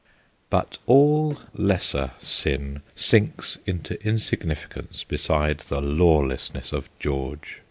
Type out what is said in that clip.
But all lesser sin sinks into insignificance beside the lawlessness of George.